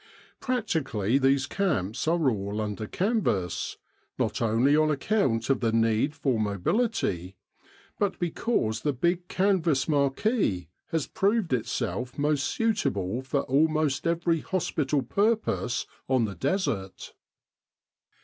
Practically these camps are all under canvas, not only on account of the need for mobility, but because the big canvas marquee has proved itself most suitable for almost every hospital purpose on the Desert.